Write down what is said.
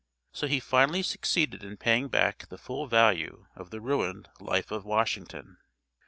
So he finally succeeded in paying back the full value of the ruined "Life of Washington."